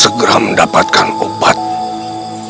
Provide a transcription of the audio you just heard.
dia memang lelaki yang bebas